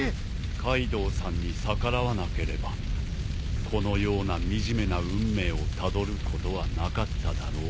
カイドウさんに逆らわなければこのような惨めな運命をたどることはなかっただろうに。